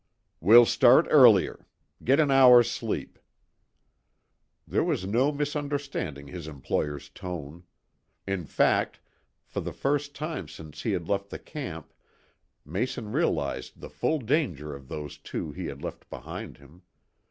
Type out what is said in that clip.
"We'll start earlier. Get an hour's sleep." There was no misunderstanding his employer's tone. In fact, for the first time since he had left the camp Mason realized the full danger of those two he had left behind him.